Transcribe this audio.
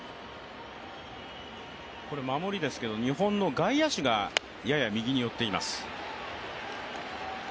守りですけど、日本の外野手がやや右に寄っています。